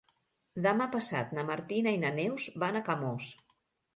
Demà passat na Martina i na Neus van a Camós.